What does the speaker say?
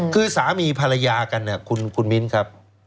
คือสามีภรรยากันเนี่ยคุณมิ้นครับ